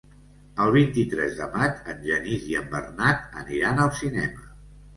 El vint-i-tres de maig en Genís i en Bernat aniran al cinema.